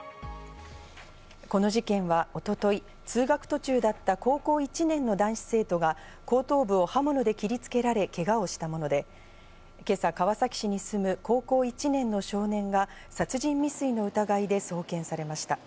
この事件は一昨日、通学途中だった高校１年の男子生徒が、後頭部を刃物で切りつけられ、けがをしたもので、今朝、川崎市に住む高校１年の少年が殺人未遂の疑いで送検されました。